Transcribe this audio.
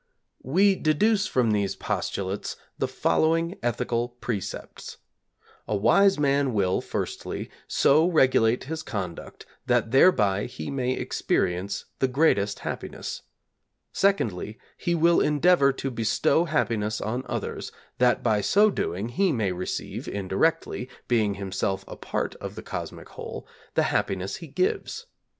We deduce from these postulates the following ethical precepts: a wise man will, firstly, so regulate his conduct that thereby he may experience the greatest happiness; secondly, he will endeavour to bestow happiness on others that by so doing he may receive, indirectly, being himself a part of the Cosmic Whole, the happiness he gives.